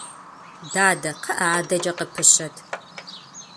Дадэ, кхъыӀэ, адэкӀэ къыпыщэт.